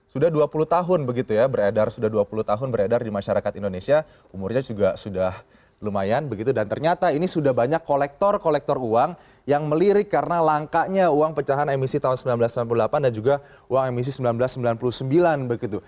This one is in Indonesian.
sudah dua puluh tahun begitu ya beredar sudah dua puluh tahun beredar di masyarakat indonesia umurnya juga sudah lumayan begitu dan ternyata ini sudah banyak kolektor kolektor uang yang melirik karena langkanya uang pecahan emisi tahun seribu sembilan ratus sembilan puluh delapan dan juga uang emisi seribu sembilan ratus sembilan puluh sembilan begitu